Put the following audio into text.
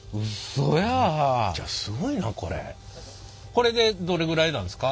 これでどれぐらいなんですか？